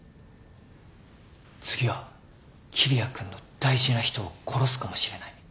次は桐矢君の大事な人を殺すかもしれない。